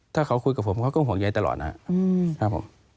ถ้าเขาคุยกับผมเขาก็ห่วงใยตลอดนะครับผม